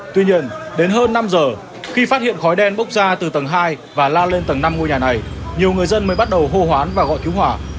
tuy nhiên đến hơn năm giờ khi phát hiện khói đen bốc ra từ tầng hai và la lên tầng năm ngôi nhà này nhiều người dân mới bắt đầu hô hoán và gọi cứu hỏa